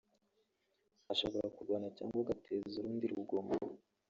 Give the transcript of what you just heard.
ashobora kurwana cyangwa agateza urundi rugomo